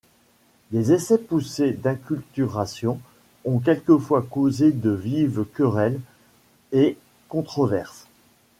Des essais poussés d’inculturation ont quelquefois causé de vives querelles et controverses.